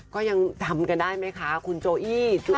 ก็ยังจำกันได้ไหมคะคุณโจอี้